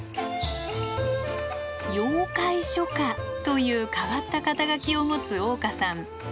「妖怪書家」という変わった肩書を持つ香さん。